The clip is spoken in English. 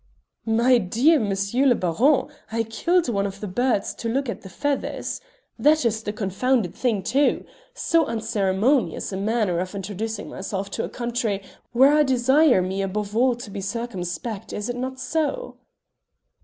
"My dear M. le Baron, I killed one of the birds to look at the feathers. That is the confounded thing too! So unceremonious a manner of introducing myself to a country where I desire me above all to be circumspect; is it not so?"